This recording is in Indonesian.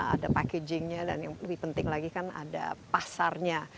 ada packagingnya dan yang lebih penting lagi kan ada pasarnya